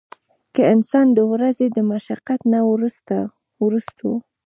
کۀ انسان د ورځې د مشقت نه وروستو